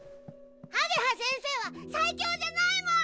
あげは先生は最強じゃないもん！